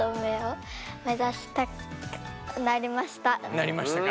なりましたか。